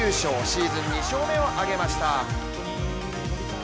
シーズン２勝目をあげました。